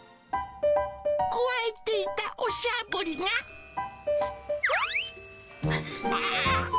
くわえていたおしゃぶりが、あー。